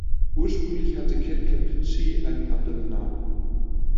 Ursprünglich hatten Kid Kapichi einen anderen Namen.